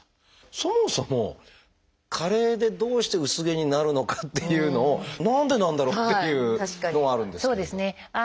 そもそも加齢でどうして薄毛になるのかっていうのを何でなんだろうっていうのはあるんですけれども。